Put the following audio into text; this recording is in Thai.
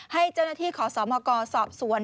ให้เจ้าหน้าที่ขอสมกสอบสวน